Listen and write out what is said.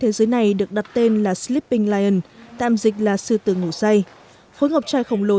thế giới này được đặt tên là sleeping lion tạm dịch là sư tử ngủ dây khối ngọc trai khổng lồ